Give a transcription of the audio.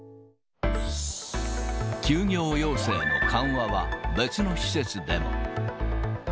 休業要請の緩和は、別の施設でも。